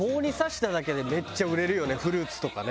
フルーツとかね。